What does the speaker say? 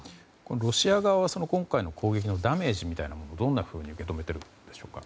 ロシア側は今回の攻撃のダメージみたいなものをどんなふうに受け止めているんでしょうか。